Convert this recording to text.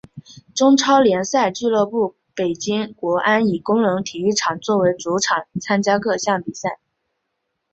中超联赛俱乐部北京国安以工人体育场作为主场参加各项比赛。